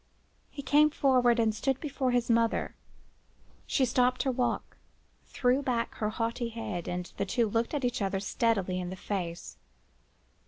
He came forward and stood before his mother. She stopped her walk, threw back her haughty head, and the two looked each other steadily in the face.